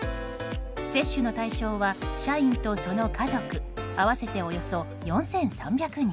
接種の対象は社員とその家族合わせておよそ４３００人。